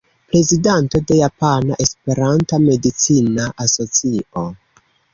Prezidanto de Japana Esperanta Medicina Asocio.